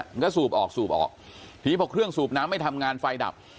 มันก็สูบออกสูบออกทีนี้พอเครื่องสูบน้ำไม่ทำงานไฟดับ